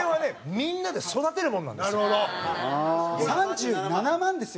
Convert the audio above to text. みんなで育てるものなんですよ。